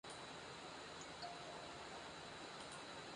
El hocico es mucho más estrecho, pero se ensancha hacia su punta.